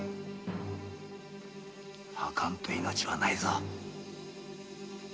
吐かんと命はないぞ。